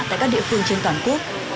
tại các địa phương trên toàn quốc